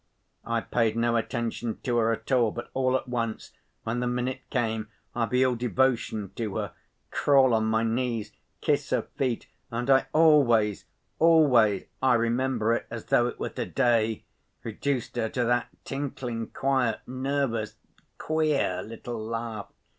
I paid no attention to her at all, but all at once, when the minute came, I'd be all devotion to her, crawl on my knees, kiss her feet, and I always, always—I remember it as though it were to‐day—reduced her to that tinkling, quiet, nervous, queer little laugh.